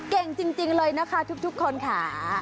เก่งจริงเลยนะคะทุกคนค่ะ